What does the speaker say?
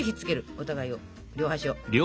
お互いを両端を。